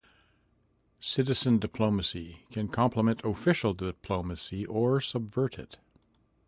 Citizen diplomacy can complement official diplomacy or subvert it.